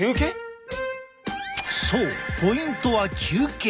そうポイントは休憩。